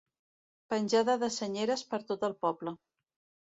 Penjada de senyeres per tot el poble.